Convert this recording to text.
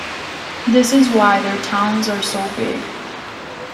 This is why their towns are so big.